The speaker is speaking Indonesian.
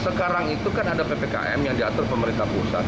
sekarang itu kan ada ppkm yang diatur pemerintah pusat